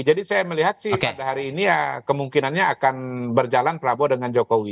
jadi saya melihat sih pada hari ini kemungkinannya akan berjalan prabowo dengan jokowi